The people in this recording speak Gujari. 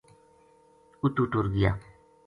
اُتو ٹُر گیا